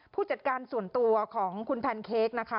ผู้จัดการส่วนตัวของคุณแพนเค้กนะคะ